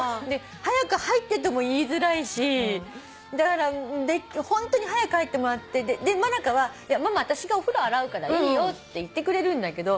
早く入ってとも言いづらいしだからホントに早く入ってもらって真香は「ママ私がお風呂洗うからいいよ」って言ってくれるんだけど